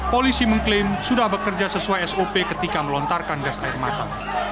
polisi mengklaim sudah bekerja sesuai sop ketika melontarkan gas air mata